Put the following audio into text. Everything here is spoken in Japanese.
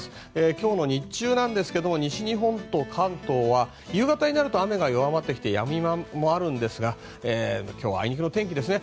今日の日中ですが西日本と関東は夕方になると雨が弱まってきてやみ間もあるんですが今日はあいにくの天気ですね。